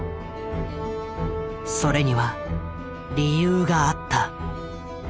それには理由があった。